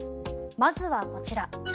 まずはこちら。